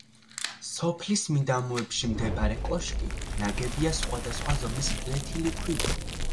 სოფლის მიდამოებში მდებარე კოშკი ნაგებია სხვადასხვა ზომის ფლეთილი ქვით.